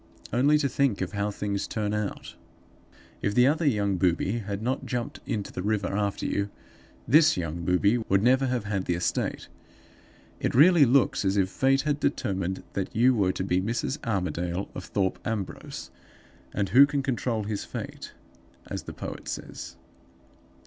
Only to think of how things turn out! If the other young booby had not jumped into the river after you, this young booby would never have had the estate. It really looks as if fate had determined that you were to be Mrs. Armadale, of Thorpe Ambrose; and who can control his fate, as the poet says?